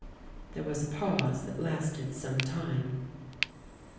There was a pause that lasted some time.